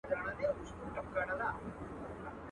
تا ته به ډلي په موسکا د سهیلیو راځي.